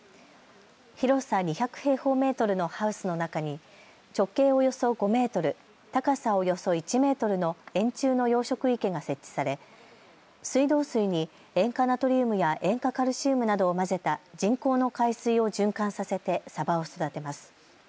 広さ２００平方メートルのハウスの中に直径およそ５メートル、高さおよそ１メートルの円柱の養殖池が設置され水道水に塩化ナトリウムや塩化カルシウムなどを混ぜた人工の海水を循環させてサバを育てます。